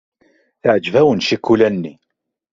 Teɛjeb-awen ccikula-nni.